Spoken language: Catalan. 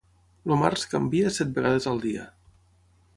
El març canvia set vegades al dia.